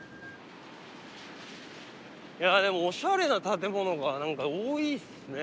いやあでもおしゃれな建物が何か多いですね